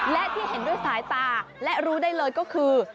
และที่เห็นด้วยสายตาและรู้ได้เลยก็คือ